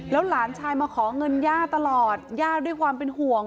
หลานชายมาขอเงินย่าตลอดย่าด้วยความเป็นห่วง